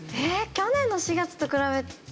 去年の４月と比べて。